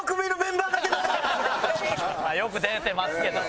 よく出てますけど。